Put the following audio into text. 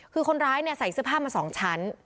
คือคนร้ายใส่เสื้อผ้ามา๒ชั้น